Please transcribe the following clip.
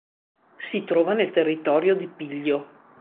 Si trova nel territorio di Piglio.